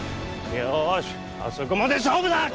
よーし、あそこまで勝負だ。